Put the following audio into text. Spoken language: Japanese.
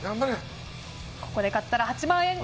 ここで勝ったら８万円。